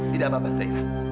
tidak apa apa zahira